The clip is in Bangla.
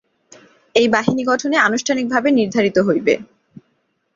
এই বাহিনী গঠনে আনুষ্ঠানিকভাবে নির্ধারিত হইবে।